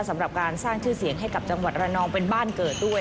สำหรับการสร้างชื่อเสียงให้กับจังหวัดระนองเป็นบ้านเกิดด้วย